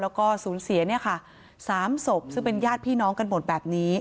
แล้วก็สูญเสียเนี่ยค่ะ๓ศพซึ่งเป็นญาติพี่น้องกันหมดแบบนี้